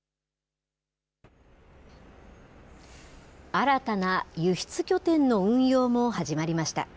新たな輸出拠点の運用も始まりました。